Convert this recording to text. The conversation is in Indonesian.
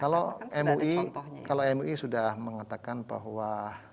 kalau mui kalau mui sudah mengatakan bahwa